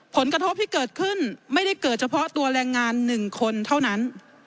ผลกระทบที่เกิดขึ้นไม่ได้เกิดเฉพาะตัวแรงงาน๑คนเท่านั้น